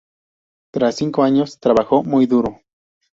Tras cinco años trabajó muy duro.